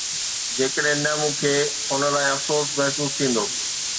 جيڪڏهن نه، مون کي هن لاء افسوس محسوس ٿيندو